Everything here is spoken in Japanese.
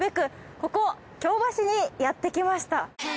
ここ京橋にやってきました。